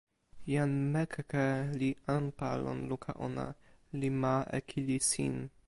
jan Mekeke li anpa lon luka ona, li ma e kili sin.